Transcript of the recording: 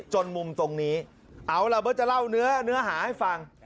จนมุมตรงนี้เอาล่ะเบิร์ตจะเล่าเนื้อหาให้ฟัง